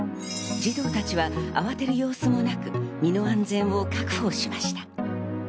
児童たちは慌てる様子もなく身の安全を確保しました。